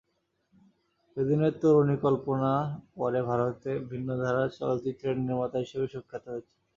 সেদিনের তরুণী কল্পনা পরে ভারতে ভিন্নধারার চলচ্চিত্রের নির্মাতা হিসেবে সুখ্যাত হয়েছেন।